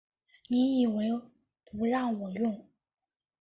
你以为不让我用